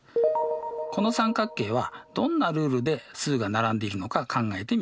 この三角形はどんなルールで数が並んでいるのか考えてみましょう。